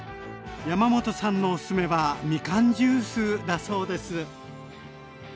山本さんのおすすめはみかんジュースだそうです。